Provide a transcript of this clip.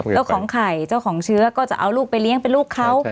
เจ้าของไข่เจ้าของเชื้อก็จะเอาลูกไปเลี้ยงเป็นลูกเขา